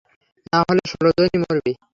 না হলে ষোল জনই মরবি।